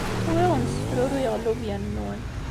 Ur awen-ssefruruyeɣ llubyan-nwen.